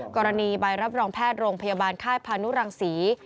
กรณีใบรับรองแพทย์โรงพยาบาลค่ายพานุรังศรี